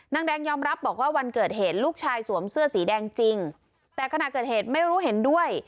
นางแดงยอมรับบอกว่าวันเกิดเหตุลูกชายสวมเสื้อสีแดงจริงแต่ขณะเกิดเหตุไม่รู้เห็นด้วย